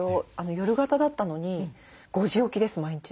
夜型だったのに５時起きです毎日。